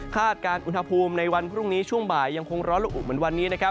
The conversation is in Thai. การอุณหภูมิในวันพรุ่งนี้ช่วงบ่ายยังคงร้อนละอุเหมือนวันนี้นะครับ